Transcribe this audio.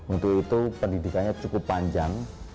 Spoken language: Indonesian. untuk itu pendidikannya cukup panjang